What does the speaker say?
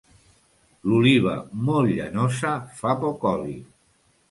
L'oliva molt llanosa fa poc oli.